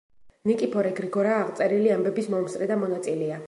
ნიკიფორე გრიგორა აღწერილი ამბების მომსწრე და მონაწილეა.